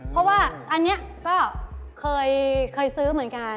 เพราะว่าอันนี้ก็เคยซื้อเหมือนกัน